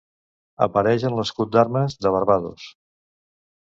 Apareix en l'escut d'armes de Barbados.